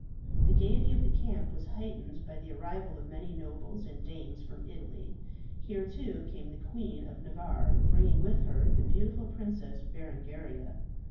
The gaiety of the camp was heightened by the arrival of many nobles and dames from Italy. Here, too, came the Queen of Navarre, bringing with her the beautiful Princess Berengaria.